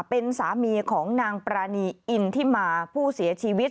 เป็นสามีของนางปรานีอินทิมาผู้เสียชีวิต